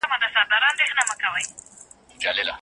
ګلالۍ په کور کې د نوي کار پلان جوړاوه.